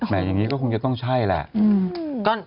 อย่างนี้ก็คงจะต้องใช่แหละ